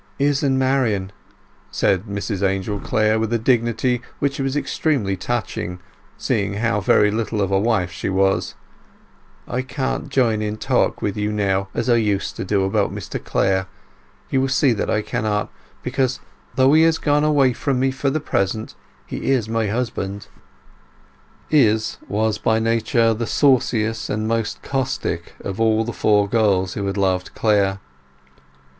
"Izz and Marian," said Mrs Angel Clare, with a dignity which was extremely touching, seeing how very little of a wife she was: "I can't join in talk with you now, as I used to do, about Mr Clare; you will see that I cannot; because, although he is gone away from me for the present, he is my husband." Izz was by nature the sauciest and most caustic of all the four girls who had loved Clare.